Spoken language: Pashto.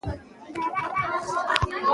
بران د غنم پوټکی دی او فایبر لري.